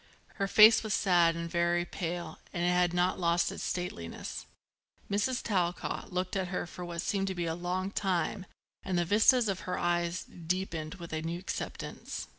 Her face was sad and very pale and it had not lost its stateliness. Mrs. Talcott looked at her for what seemed to be a long time and the vistas of her eyes deepened with a new acceptance.